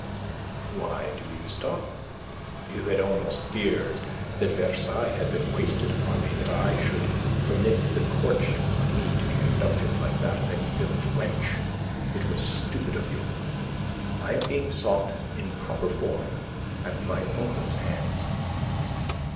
"Why do you stop? You had almost feared that Versailles had been wasted upon me. That I should permit the courtship of me to be conducted like that of any village wench. It was stupid of you. I am being sought in proper form, at my uncle's hands."